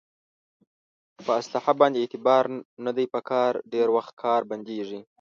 په اصلحه باندې اعتبار نه دی په کار ډېری وخت کار بندېږي.